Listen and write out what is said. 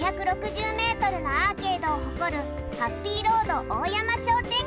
５６０ｍのアーケードを誇るハッピーロード大山商店街。